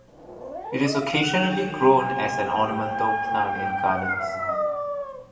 It is occasionally grown as an ornamental plant in gardens.